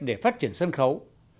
để phát triển sân khấu